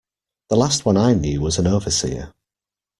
The last one I knew was an overseer.